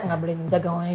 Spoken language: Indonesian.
gak boleh nyunjak ngomongin